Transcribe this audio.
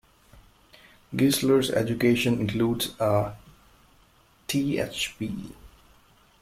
Geisler's education includes a Th.B.